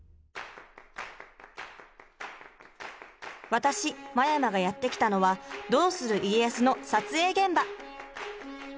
私真山がやって来たのは「どうする家康」の撮影現場！